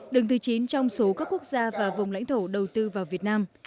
đứng thứ chín trong số các quốc gia và vùng lãnh thổ đầu tư vào việt nam